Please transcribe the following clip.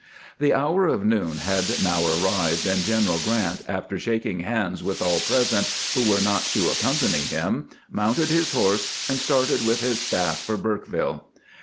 . The hour of noon had now arrived, and General Grant, after shaking hands with all present who were not to accompany him, mounted his horse, and started with his staff for Burkeville.